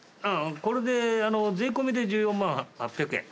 これで税込で１４万８００円。